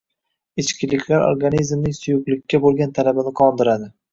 Ichimliklar organizmning suyuqlikka bo‘lgan talabini qondiradi